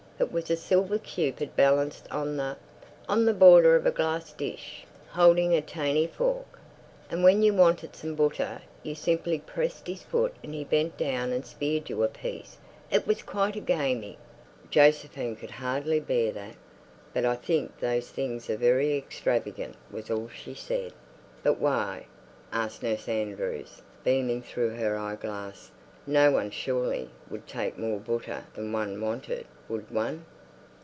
It was a silvah Cupid balanced on the—on the bordah of a glass dish, holding a tayny fork. And when you wanted some buttah you simply pressed his foot and he bent down and speared you a piece. It was quite a gayme." Josephine could hardly bear that. But "I think those things are very extravagant" was all she said. "But whey?" asked Nurse Andrews, beaming through her eyeglasses. "No one, surely, would take more buttah than one wanted—would one?"